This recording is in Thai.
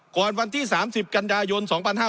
ก่อนวันที่๓๐กันดายน๒๕๖๓